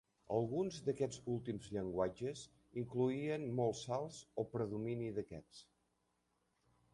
Alguns d'aquests últims llenguatges incloïen molts salts o predomini d'aquests.